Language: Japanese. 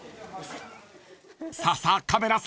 ［さあさあカメラさん